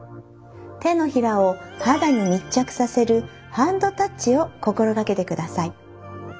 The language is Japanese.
手のひらを肌に密着させるハンドタッチを心掛けてください。